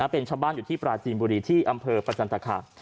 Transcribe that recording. เป็นชาวบ้านอยู่ที่ปราจีนบุรีที่อำเภอประจันตคาม